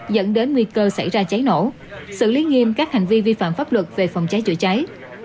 dẫn đến nguy cơ xảy ra cháy nổ xử lý nghiêm các hành vi vi phạm pháp luật về phòng cháy chữa cháy